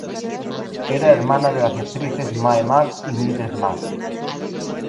Era hermana de las actrices Mae Marsh y Mildred Marsh.